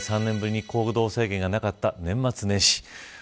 ３年ぶりに行動制限がなかった年末年始